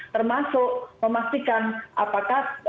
termasuk memastikan apakah